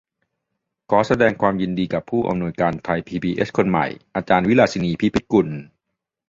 ขอแสดงความยินดีกับผู้อำนวยการไทยพีบีเอสคนใหม่อาจารย์วิลาสินี พิพิธกุล